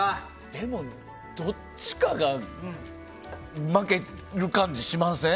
でも、どっちかが負ける感じがしません？